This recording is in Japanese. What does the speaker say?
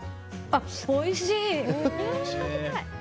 あ、おいしい！